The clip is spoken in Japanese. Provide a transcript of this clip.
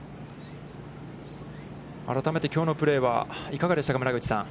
改めてきょうのプレーはいかがでしたか、村口さん。